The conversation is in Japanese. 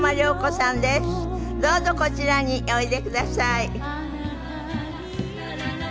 どうぞこちらにおいでください。